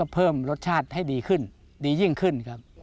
เพิ่มรสชาติให้ดีขึ้นดียิ่งขึ้นครับ